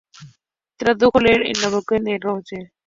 Tradujo "Lettres sur la botanique" de Rousseau.